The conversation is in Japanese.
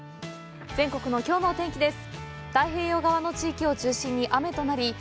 全国のきょうのお天気です。